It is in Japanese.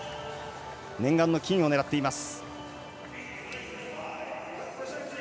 念願の金を狙っています。